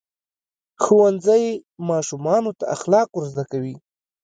ښوونځی ماشومانو ته اخلاق ورزده کوي.